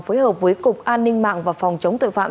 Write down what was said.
phối hợp với cục an ninh mạng và phòng chống tội phạm